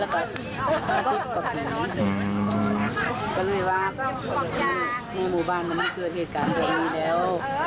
ก็เลยว่าในหมู่บ้านมันเกิดเหตุการณ์แบบนี้แล้ว